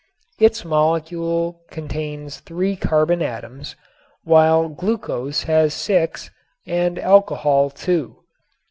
Its molecule contains three carbon atoms, while glucose has six and alcohol two.